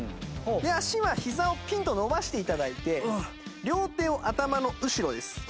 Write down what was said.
足はひざをピンと伸ばして頂いて両手を頭の後ろです。